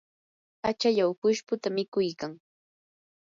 achallaw pushputa mikuykan.